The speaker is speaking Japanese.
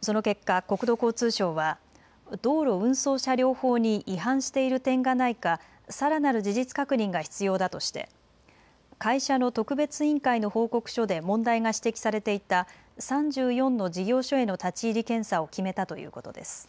その結果、国土交通省は道路運送車両法に違反している点がないかさらなる事実確認が必要だとして会社の特別委員会の報告書で問題が指摘されていた３４の事業所への立ち入り検査を決めたということです。